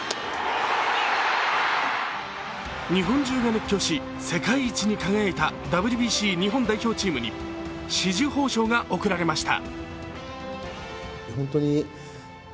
日本中が熱狂し世界一に輝いたＷＢＣ日本代表チームに紫綬褒章が贈られました。